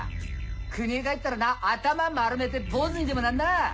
国へ帰ったらな頭丸めて坊ずにでもなんな！